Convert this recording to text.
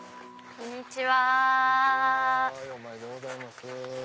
こんにちは。